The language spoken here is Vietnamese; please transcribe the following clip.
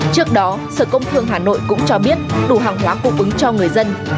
trước đó sở công thương hà nội cũng cho biết đủ hàng hóa cung ứng cho người dân